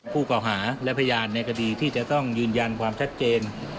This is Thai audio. เก่าหาและพยานในคดีที่จะต้องยืนยันความชัดเจน